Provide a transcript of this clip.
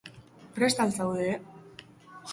Prest al zaude?